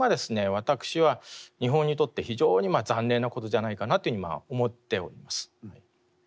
私は日本にとって非常に残念なことじゃないかなというふうに今思っております。